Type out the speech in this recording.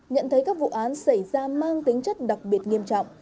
nhận thấy các vụ án xảy ra mang tính chất đặc biệt nghiêm trọng